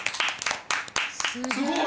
すごい！